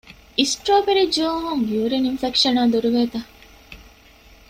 އިސްޓްރޯބެރީ ޖޫހުން ޔޫރިން އިންފެކްޝަނާ ދުރުވޭތަ؟